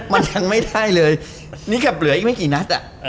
มันยังไม่ได้เลยนี่แค่เหลืออีกไม่กี่นัดอ่ะ